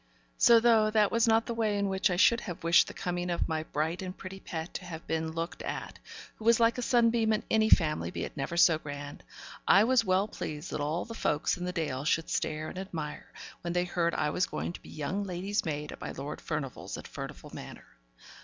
So, though that was not the way in which I should have wished the coming of my bright and pretty pet to have been looked at who was like a sunbeam in any family, be it never so grand I was well pleased that all the folks in the Dale should stare and admire, when they heard I was going to be young lady's maid at my Lord Furnivall's at Furnivall Manor.